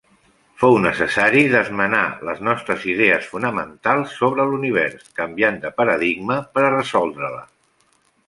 Fou necessari d'esmenar les nostres idees fonamentals sobre l'univers, canviant de paradigma, per a resoldre-la.